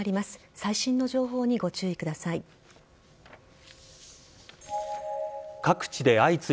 最新の情報にご注意ください。